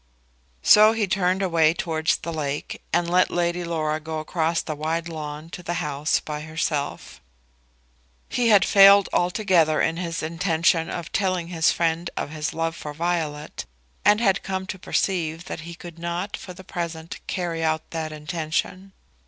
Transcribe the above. So he turned away towards the lake, and let Lady Laura go across the wide lawn to the house by herself. He had failed altogether in his intention of telling his friend of his love for Violet, and had come to perceive that he could not for the present carry out that intention.